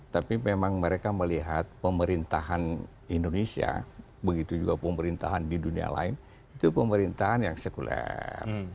tapi memang mereka melihat pemerintahan indonesia begitu juga pemerintahan di dunia lain itu pemerintahan yang sekuler